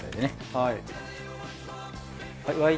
はい。